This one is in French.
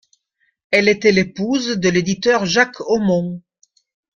Elle était l'épouse de l'éditeur Jacques Haumont.